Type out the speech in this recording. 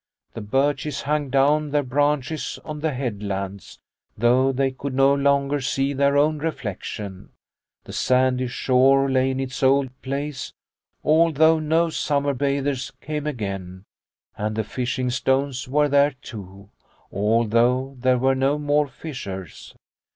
The birches hung down their branches on the headlands, though they could no longer see their own reflection, the sandy shore lay in its old place, although no summer bathers came again, and the fishing stones were there too, although there were no more fishers.